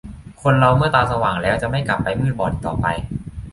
คนเราเมื่อตาสว่างแล้ว จะไม่กลับไปมืดบอดอีกต่อไป